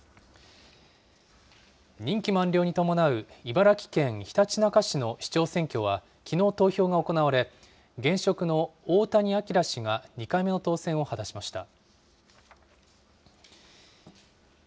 任期満了に伴う茨城県ひたちなか市の市長選挙はきのう投票が行われ、現職の大谷明氏が２回目の当選を果たしました。